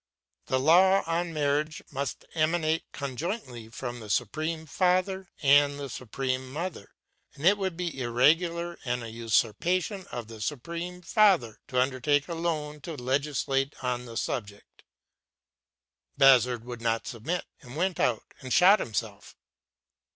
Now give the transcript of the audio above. The law on marriage must emanate conjointly from the Supreme Father and the Supreme Mother, and it would be irregular and a usurpation for the Supreme Father to undertake alone to legislate on the subject. Bazard would not submit, and went out and shot himself.